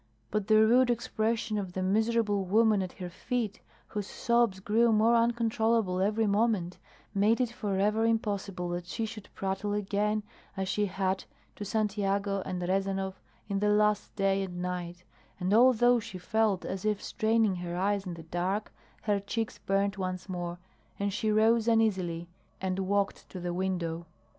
But the rude expression of the miserable woman at her feet, whose sobs grew more uncontrollable every moment, made it forever impossible that she should prattle again as she had to Santiago and Rezanov in the last day and night; and although she felt as if straining her eyes in the dark, her cheeks burned once more, and she rose uneasily and walked to the window.